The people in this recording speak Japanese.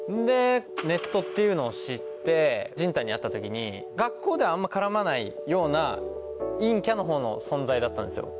ネットっていうのを知ってじんたんに会った時に学校ではあんま絡まないような陰キャのほうの存在だったんですよ。